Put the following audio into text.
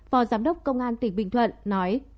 phó giám đốc công an tỉnh bình thuận nói